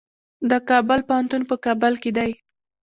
د کابل پوهنتون په کابل کې دی